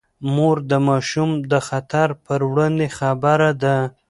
مور د ماشوم د خطر پر وړاندې خبرده ده.